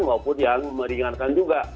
maupun yang meringankan juga